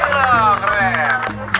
gitu tuh keren